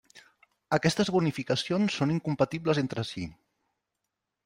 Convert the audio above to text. Aquestes bonificacions són incompatibles entre si.